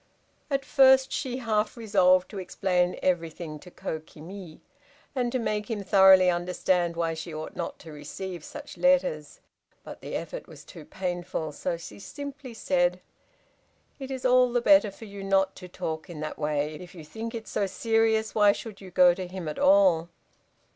At first, she half resolved to explain everything to Kokimi, and to make him thoroughly understand why she ought not to receive such letters, but the effort was too painful, so she simply said, "It is all the better for you not to talk in that way. If you think it so serious why should you go to him at all?"